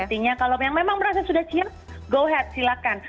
artinya kalau yang memang merasa sudah siap go ahead silakan